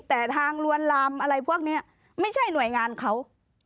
แต่ทางลวนลามอะไรพวกนี้ไม่ใช่หน่วยงานเขา